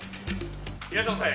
いらっしゃいませ。